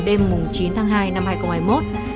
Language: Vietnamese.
đêm chín tháng hai năm hai nghìn hai mươi một